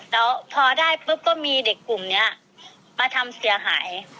แล้วพอได้ปุ๊บก็มีเด็กกลุ่มนี้มาทำเสียหาย